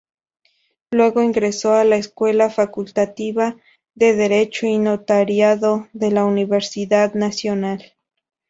Luego ingresó a la Escuela Facultativa de Derecho y Notariado de la Universidad Nacional.